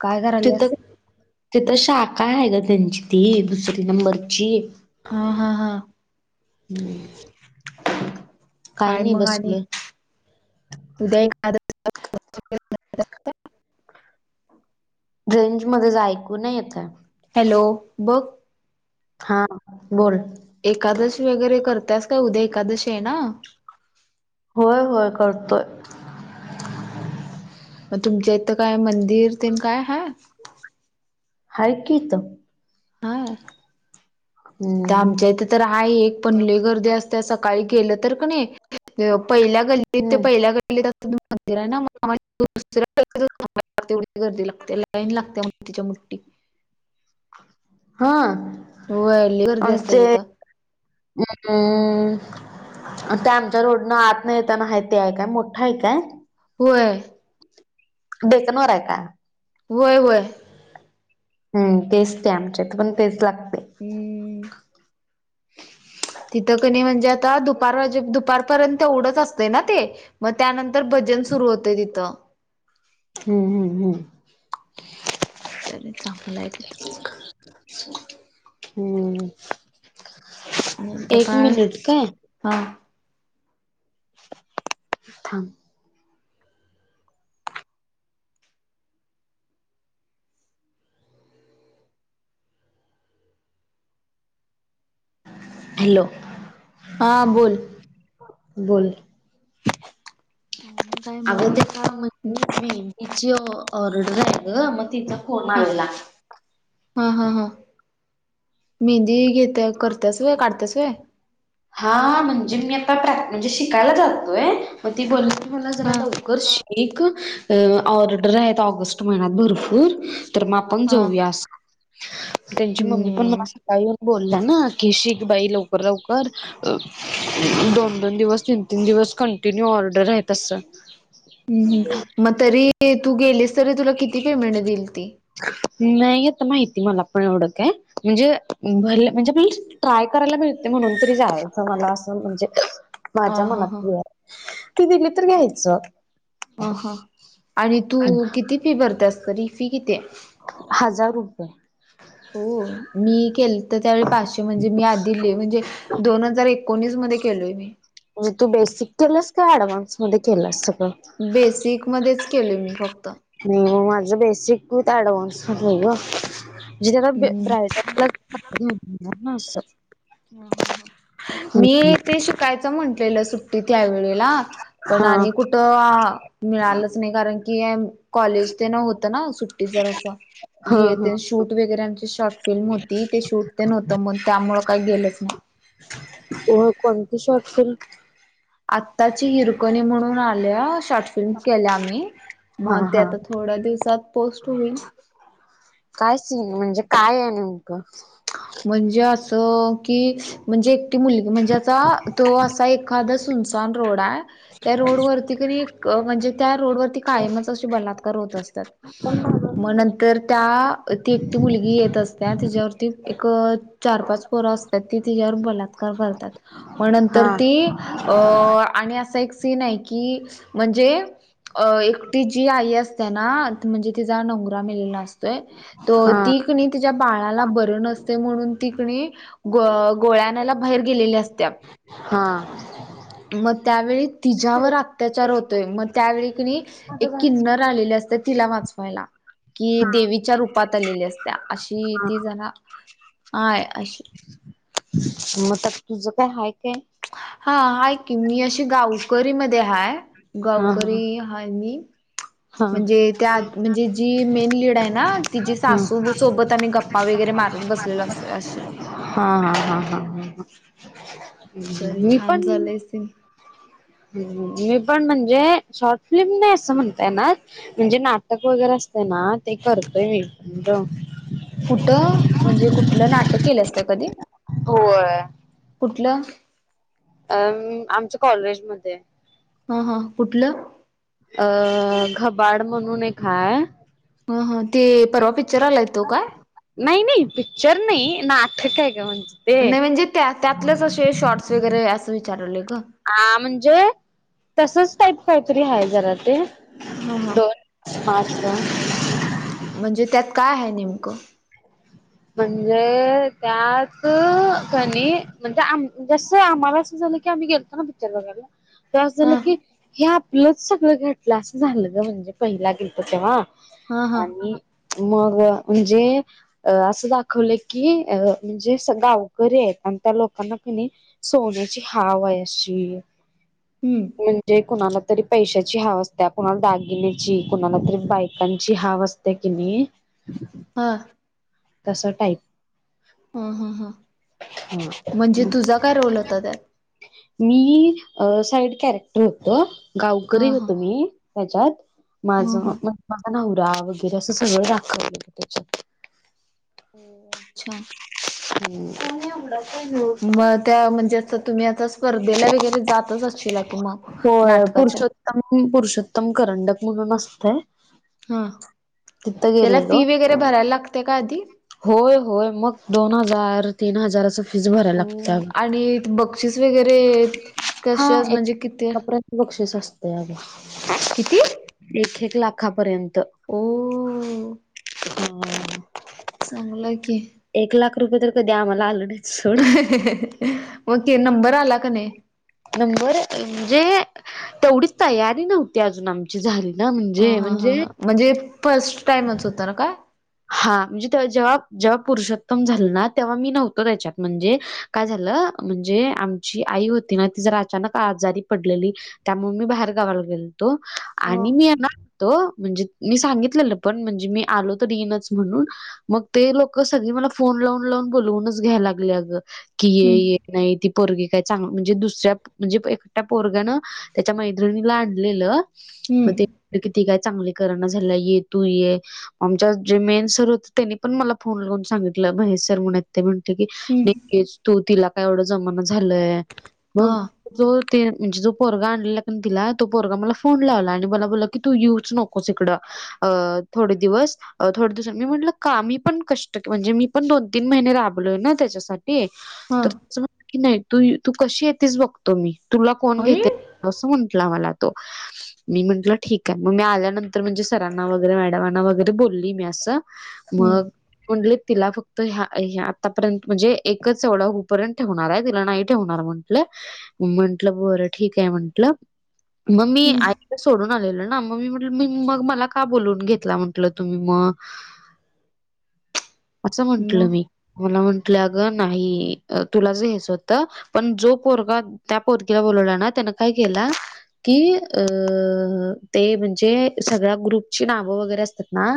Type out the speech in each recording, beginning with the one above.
काय करायल्यास तिथं तिथं शाखा आहे गं त्यांची ती दुसरी नंबरची. हां हां हां. [inaudible] काय नाही मग आणि बसलोय उद्या एका रेंज मध्ये जा ऐकू नाही येतंय. हॅलो बघ. हां बोल. एकादस वगैरे करत्यास काय? उद्या एकादशी आहे ना? होय होय करतोय. हम्म हम्म हम्म हम्म मग तुमच्या इथं काय मंदिर तेन काय आहे? हाय की इथं. हाय तिथ हम्म आमच्या इथे तर आहे एक पण लई गर्दी अस त्या सकाळी गेलं तर का नाही पहिल्या गल्लीत ते हम्म पहिल्या गल्ली मंदिर आहे ना मग दुसऱ्या [unintelligible] गर्दी लागते लाईन लागते मोठी च्या मोठी हां. होय लई गर्दी असत्या तिथं. हम्म ते आमच्या रोडनं आतन येताना आहे ते आहे काय? मोठा आहे काय? होय. डेक्कन वर आहे काय? होय होय. हम्म तेच ते आमच्या इथ पण तेच लाग हम्म. [unintelligible] तिथं की नाही म्हणजे आता दुपार दुपारपर्यंत तेवढंच असतंय ना ते? मग त्यानंतर भजन सुरू होतंय तिथं. हम्म हम्म हम्म. तरी चांगल आहे तिथं. हम्म. आणि त एक काय मिनिट काय हा [unintelligible] हॅलो! हां बोल. बोल आणि काय अग मग ते काय मेंदीची ऑर्डर आहे ग मग तिचा फोन हा आलेला. हा हा हा मेहंदी घेते करतेस व्हय काढतेस व्हय. हा म्हणजे मी आता प्रॅ म्हणजे शिकायला जातोय मग ती बोलून तू मला जरा हा लावून [unintelligible] ऑर्डर आहेत ऑगस्ट महिन्यात भरपूर, तर म हा आ [unintelligible] त्याची मम्मी पण हम्म मला सकाळी येऊन बोल बोलला ना कि शिख बाई लवकर लवकर अह दोन दोन दिवस, तीन तीन दिवस कंटिन्यू ऑर्डर आहे तस हम्म मग तरी तू गेलीस तरी तुला किती पेमेंट देईल ती? नाही आता माहिती मला पण एवढं काय, म्हणजे भरलं म्हणजे मी ट्राय करायला मिळते म्हणून तरी जायचं मला असं म्हणजे हा माझ्या हा मनात हा ते आहे. ती दिली तर घ्यायचं अह आणि तू किती फी भरतेस तरी फी किती आहे? हजार रुपये. ओह मी केलंत त्यावेळी पाचशे म्हणजे मी आध दिले म्हणजे दोन हजार एकोणीस मध्ये केलोय मी. म्हणजे तू बेसिक केलंस का ऍडव्हान्स मध्ये केलंस सगळं? बेसिक मध्येच केले मी फक्त. म माझं बेसिक विथ ऍडव्हन्स हाय ग. म्हणजे जरा हम्म ब्रायडलला [unintelligible] अस हा हा हा मी ते शिकायचं म्हंटलेलं सु ते त्या वेळेला पण हा आणि कुठं मिळालंच नाही कारण की एम कॉलेज ते न होत ना सुट्टीच असं हा हे हा ते शूट वगैरे आमची शॉर्ट फिल्म होती ते शूट ते नव्हतं म त्यामुळ काल गेलंच ना होय कोणती शॉर्ट फिल्म? आत्ताची हिरकणी म्हणून आल्या शॉर्ट फिल्म केल्या मी हा मग ते हा आता थोड्या दिवसात पोस्ट होईल काय सीन म्हणजे काय आहे नेमकं? म्हणजे असं की म्हणजे एकटी मुल म्हणजे आता तो असा एखादा सुम सान रोडा हाय त्या रोडवरती तरी म्हणजे त्या रोडवरती कायमच अशी बलात्कार होत असतात मग नंतर त्या ती एकटी मुलगी येत असते हां तिच्यावरती एक चार पाच पोरं असतात ती तिच्यावर बलात्कार करतात मग नंतर हा ती ए अह आणि असा एक सीन आहे की म्हणजे अह एक तिची आई असते ना म्हणजे तिचा नवरा मेलेला असत त ते हा ती की नाय तिच्या बाळाला बर नसते म्हणून ती की नाय गो गोळ्या आनायला बाहेर गेलेले अस हा. मग त्यावेळी तिच्यावर अत्याचार होतोय मग त्यावेळी कि नाई एक किन्नर र आलेले असत तिला वाचवायला. कि देवीच्या रूपात आलेली असत्या अशी हा ती जरा हाय अशी मग तर तुझ काय हाय काय हा आहे की, मी अशी गावकरी मध्ये हाय हा गावकरी आहे मी हा हा म्हणजे त्या म्हणजे जी मेन लीड आहे ना, तिची हा सासू सोबत आम्ही गप्- गप्पा वगैरे मारत बसलेलो असत असं हा हा हा ह मी पण सम मी पण म्हणजे शॉर्ट फिल्म नाही असं म्हणतय ना म्हणजे, नाटक वगैरे असते ना ते करतोय मी म्हणलं कुठ, म्हणजे कुठलं नाटक केलंस काय कधी होय कुठलं अ आमच्या कॉलेजमध्ये हा हा कुठलं अ घबाड म्हणून एक आहे ह ह ते परवा पिकच्चर आलय तो का नाही नाही पिकच्चर नाही नाटक आहे ग म्हणजे ते नाही म्हणजे त्या त्यातलेच असे शॉर्ट्स वगैरे असं विचारवले ग हा, म्हणजे तसच टईप काहीतरी आहे जरा ते हा हा अच्छा म्हणजे त्यात काय आहे नेमकं म्हणजे त्यात कणी म्हणजे आमजेस आम्हाला असं झालं की आम्ही गेलो पिक्चर बघायला त्रास झालं हा की हे आपलंच सगळं घटलं असं झालं ग म्हणजे पहिला गेलतो तेव्हा हा हा आणि मग म्हणजे अ असं दाखवलं की अ म्हणजे असं गावकरी आहेत आणि त्या लोकांना कणी सोन्याची हाव आहे अशी. हम्म म्हणजे कुणाला तरी पैशाची हाव असते, कुणाला दागिन्याची कुणाला तरी बायकांची हव असते त्या की नाही हां तसं टाईप. हा ह ह म्हणजे मग तुझा काय रोल होता त्यात मी साईड कॅरेक्टर होत गावकरी हा हा होत मी त्याच्यात माझ हा हा म्हण माझा नवरा, वगैरे असं सगळं दाखव त्याच्यात- हो अच्छा हम् मला नाही आवडत मग त्या म्हणजे तुम्ही आता स्पर्धेला वगैरे जातच असश की मग नाटकाच्या उत्तम करंडक म्हणून असतंय हा त्याला फी वगैरे भरायला लागते का आधी होय होय मग दोन हजार तीन हजार अस फिस भरायला हो लागत. आणि बक्षीस वगैरे हा कशे म्हणजे किती एक [unintelligible] पर्यंत बक्षीस असतय अग. किती? एक एक लाखापर्यंत. ओ चांगलय की. एक लाख रुपये तर कधी आम्हाला आल नाहीत सोड. ओके नंबर आला का नाही? नंबर म्हणजे तेवढीच तयारी नव्हती अजून आम ची झाली ना ह म्हणजे हा हा म्हणजे हा म्हणजे फर्स्ट टाईमच होता नव्ह का? हा म्हणजे तेव्हा जेव्हा जेव्हा पुरुषोत्तम झाले ना तेव्हा मी नव्हतो त्याच्यात म्हणजे काय झालं म्हणजे आमची आई होती ना ती जरा अचानक आजारी पडलेली त्यामूळ मी बाहेर गावाला गेले तो हा. आणि मी येणार हुतो म्हणजे मी सांगितलेल पण म्हणजे मी आलो तर येईणंच म्हणून मग ते लोक सगळी मला फोन लावून लावून बोलवूनच घ्याय लागली अग की ये हम्म ये नाही ती पोरगी काय चांग म्हणजे दुसऱ्या म्हणजे एकट्या पोरग्यान त्याच्या मैत्रिणीला आणलेलं. मग हम्म ती [unintelligible] काय चांगली करना झाल्या ये तू ये. आमच्यात जे मेन सर होते त्यांनी पण मला फोन लावून सांगितलं महेश सर म्हणून आहे ते म्हणते की हम्म लेकेज तू तिला काय एवढं जमाना झालंय हा मग जो ते म्हणजे जो पोरगा आणलेला कणी तिला तो पोरगा मला फोन लावला आणि मला बोलला की तू येऊच नक कोस इकड अ थोडे दिवस. अ थोडे दिवस. मी म्हटलं का मी पण कष्ट म्हणजे मी पण दोन तीन महिने राबलोय ना त्याच्यासा ते हा तर कसा म्हणतो की नाही तू तू कशी येेतेस बघतो मी तुला कोण अय घेतंय असं म्हंटला मला तो. मी म्हटलं ठीक आहे मग मी आल्यानंतर म्हणजे सरांना वगैरे मॅडमांना वगैरे बोल ली मी असं हम्म मग ते म्हणले तीला फक् त ह्या ह्या आतापर्यंत म्हणजे एकच एवढं होऊपर्यंत ठेवणार आहे तिला नाही ठेवणार म्हंटले. मी म्हंटल बरं ठीक आहे म्हंटल. मग मी हम्म आईला सोडून आलेलो ना म मी म्हटलं मी मग मला का बोलवून घेतला म्हटल तुम्ही म असं म्हंटल मग मी. मला म्हंटले अग नाही तुलाचं घ्यायचं होतं. पण जो पोरगा त्या पोरगीला बोलवला ना त्यान काय केला कि अ ते म्हणजे सगळ्या ग्रुपची नावं वगैरे असतात ना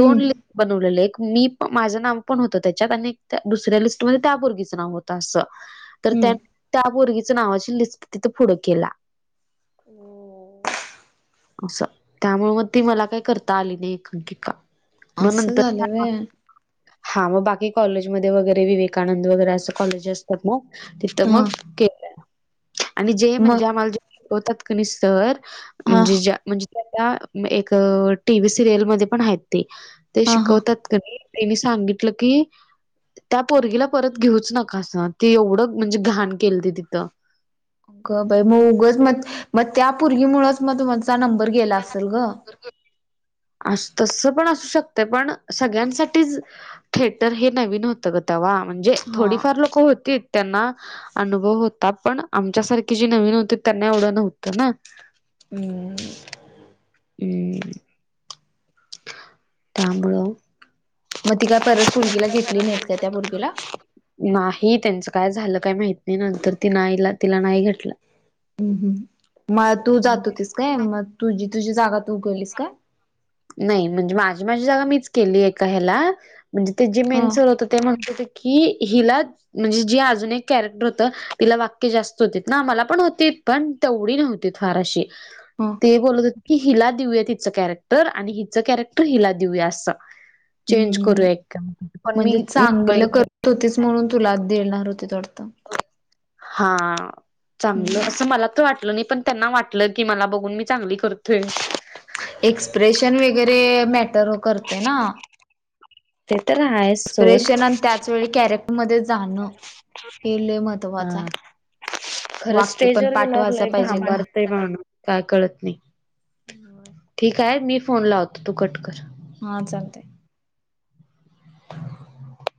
हम्म दोन ले बनवलेलं एक मी माझं नाव पण होतं त्याच्यात आणि एक त्या दुसऱ्या लिस्टमध्ये त्या पोरगीच नाव होतं असं. [inaudible] तर त्यानी त्या पोरगीच नावाची लिस्ट तिथे पुढं केल्या. असं त्यामुळे मग ती मला काही करता आली नाही एकांकिका. मग असं नंतर झालं व्हय [unintelligible] हा मग बाकी कॉलेजमध्ये वगैरे विवेकानंद वगैरे असं कॉलेज असतात ना तिथं हा मग केलेलं. आणि जय मग म्हणजे आम्हाला जे शिकवतात कणी सर हा म्हणजे ज्या म्हणजे जे आता एक टीव्ही सिरियल मध्ये पण आहेत ते, ते हा हा शिकवतात तर त्यांनी सांगितलं की. त्या पोरगीला परत घेऊच नकासा ते एवढं म्हणजे घाण केलती तिथं. अग बाई म उगच म-मग त्या पुर्गी मुळच मग तुमचा नंबर गेला असल ग. असं तसं पण असू शकते पण सगळ्यांसाठीच थिएटर हे नवीन होतं ग तवा म्हणजे हा थोडीफार लोक होती. त्यांना अनुभव होता पण आमच्यासारखे जे नवीन होते त्यांना एवढं नव्हतं ना. हम्म हम् त्यामुळं मग ती काय परत पुर्गीला घेतली, नाहीत का त्या पुर्गीला? नाही त्यांच काय झालं काय माहीती नाय नंतर ती नाहीला तिला नाही घेतलं. हम् हम् म तू जात होतीस काय मग तुझी तुझी जागा तू केलीस काय? नाय म्हणजे माझी माझी जागा मीच केली एका हेला म्हणजे ते जे हा मेनसर होटे ते म्हणत होते की ही हिला म्हणजे जे अजून एक कॅरेक्टर होतं तिला वाक्य जास्त होती ना मला पण होती. पण तेवढी नव्हती फार अशी हा ते बोलत होते की हिला देऊया तिचं कॅरेक्ट टर आणि हीच कॅरेक्टर हिला देऊया अस. चेंज हम्म. करूया एक [unintelligible] पण मी मुबईला गेली. तू होतीच म्हणून तूला देणार होते वाटतं. हा चांगलं हम्म. असं मला तर वाटलं नाय पण त्यांना वाटलं की मला बघून मी चांगली करतेय. एक्सप्रेशन वगैरे मॅटर करते ना ते तर आहे एक्सप्रेशन आणि त्याच वेळी कॅरेक्टर मध्ये जाणं हे लय महत्वाचं हाय. खरंच स्टेज वर गेल्यावर लय ग. भांबार ते [unintelligible] काय कळत नाही ठीक आहे मी फोन लावतो तू कटकर. हा चालतय